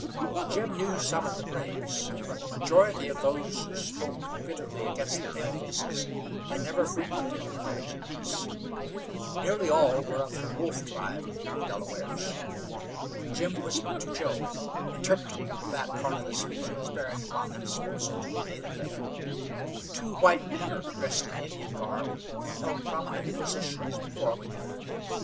Jim knew some of the braves, but the majority of those who spoke bitterly against the palefaces had never frequented the Village of Peace. Nearly all were of the Wolf tribe of Delawares. Jim whispered to Joe, interpreting that part of the speeches bearing upon the disposal to be made of them. Two white men, dressed in Indian garb, held prominent positions before Wingenund.